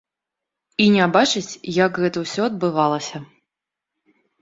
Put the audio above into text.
І не бачыць, як гэта ўсё адбывалася.